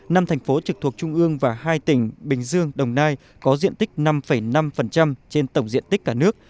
năm thành phố trực thuộc trung ương và hai tỉnh bình dương đồng nai có diện tích năm năm trên tổng diện tích cả nước